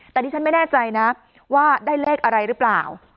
แต่ดิฉันไม่แน่ใจนะว่าได้เลขอะไรหรือเปล่า